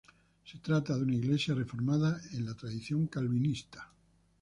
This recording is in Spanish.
Se trata de una iglesia reformada en la tradición calvinista.